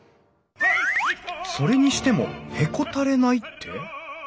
それにしても「へこたれない」って？